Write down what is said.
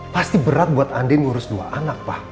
pasti berat buat andi ngurus dua anak pak